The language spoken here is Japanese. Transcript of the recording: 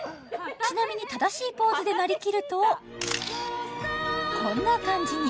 ちなみに正しいポーズでなりきるとこんな感じに！